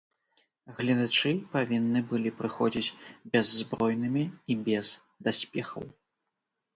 Гледачы павінны былі прыходзіць бяззбройнымі і без даспехаў.